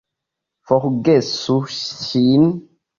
Forgesu ŝin!